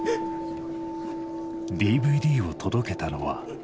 ＤＶＤを届けたのは。